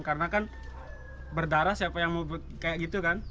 karena kan berdarah siapa yang mau kayak gitu kan